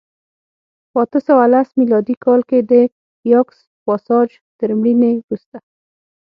په اته سوه لس میلادي کال کې د یاکس پاساج تر مړینې وروسته